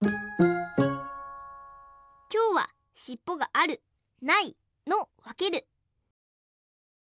きょうは「しっぽがあるない」のわける！